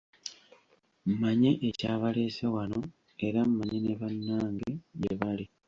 Mmanye ekyabaleese wano era mmanye ne bannange gye bali.